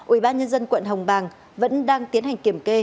ủy ban nhân dân quận hồng bang vẫn đang tiến hành kiểm kê